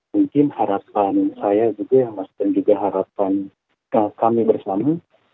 mungkin harapan saya juga ya mas dan juga harapan kami bersama